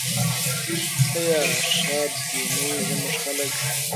آیا ښاد دې نه وي زموږ خلک؟